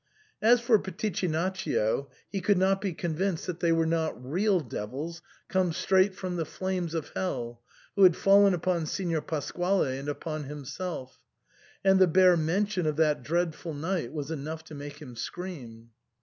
As for Pitichinaccio, he could not be convinced that they were not real devils come straight from the flames of hell who had fallen upon Signor Pasquale and upon himself, and the bare mention of that dreadful night was enough to make him scream.